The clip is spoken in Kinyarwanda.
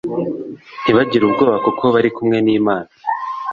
ntibagire ubwoba kuko bari kumwe n’Imana